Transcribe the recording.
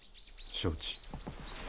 「承知」。